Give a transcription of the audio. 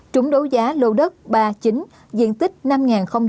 trúng đấu giá lô đất số ba chín diện tích năm chín một m hai